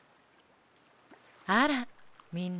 あらみんな。